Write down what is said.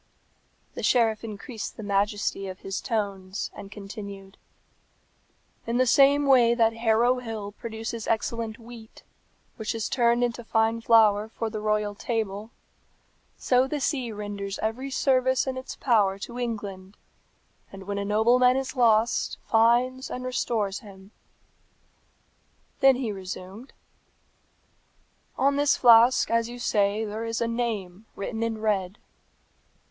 The sheriff increased the majesty of his tones, and continued, "In the same way that Harrow Hill produces excellent wheat, which is turned into fine flour for the royal table, so the sea renders every service in its power to England, and when a nobleman is lost finds and restores him." Then he resumed, "On this flask, as you say, there is a name written in red."